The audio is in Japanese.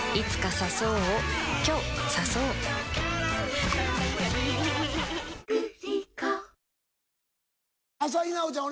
ニトリ朝日奈央ちゃん